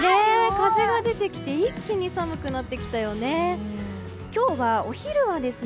風が出てきて一気に寒くなってきたよね。